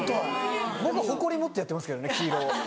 僕誇り持ってやってますけどね黄色を。